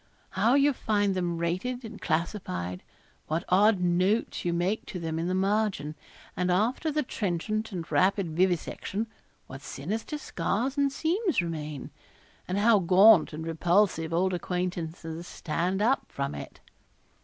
How you find them rated and classified what odd notes you make to them in the margin; and after the trenchant and rapid vivisection, what sinister scars and seams remain, and how gaunt and repulsive old acquaintances stand up from it.